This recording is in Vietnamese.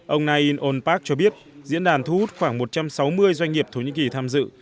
ông nain onpak cho biết diễn đàn thu hút khoảng một trăm sáu mươi doanh nghiệp thổ nhĩ kỳ tham dự